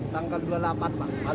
tanggal dua puluh delapan pak